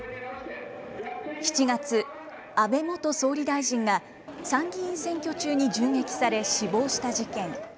７月、安倍元総理大臣が参議院選挙中に銃撃され死亡した事件。